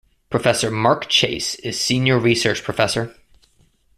Professor Mark Chase is Senior Research Professor.